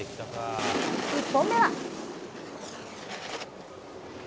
１本目は。